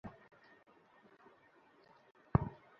নানা তুমি আমার জন্য এটুকু কাজ করতে পারবে না?